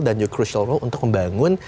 dan juga crucial role untuk membangun